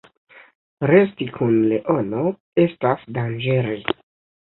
Resti kun leono estas danĝere.